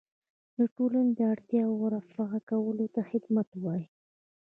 د ټولنې د اړتیاوو رفع کولو ته خدمت وایي.